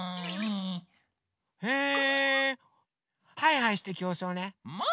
へえハイハイしてきょうそうね！もい！